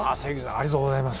ありがとうございます。